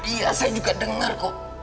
iya saya juga dengar kok